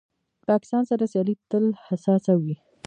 پاکستان سره سیالي تل حساسه وي.